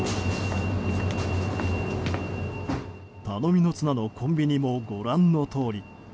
頼みの綱のコンビニもご覧のとおり。